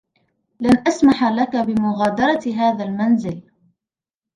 لن أسمح لك بمغادرة هذا المنزل.